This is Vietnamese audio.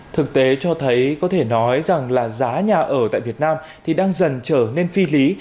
thực tế cho thấy có thể nói rằng là giá nhà ở tại việt nam thì đang dần trở nên phi lý